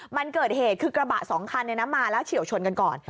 มันเกิดเหตุคือกระบะสองคันมาแล้วเฉียวชนกันก่อน